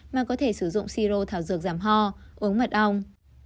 mà có thể sử dụng siro thảo dược giảm ho uống mật ong